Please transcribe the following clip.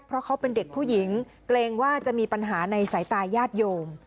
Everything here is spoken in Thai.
เพราะเขาเป็นเด็กผู้หญิงเกรงว่าจะมีปัญหาในสายตายาดโยม